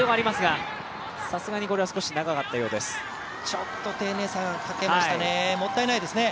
ちょっと丁寧さに欠けましたね、もったいないですね。